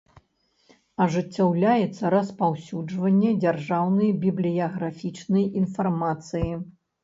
Ажыццяўляе распаўсюджванне дзяржаўнай бiблiяграфiчнай iнфармацыi.